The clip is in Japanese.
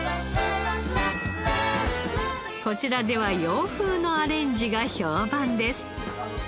こちらでは洋風のアレンジが評判です。